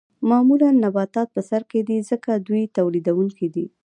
معمولاً نباتات په سر کې دي ځکه دوی تولیدونکي دي